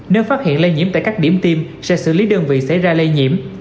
nếu phát hiện lây nhiễm tại các điểm tiêm sẽ xử lý đơn vị xảy ra lây nhiễm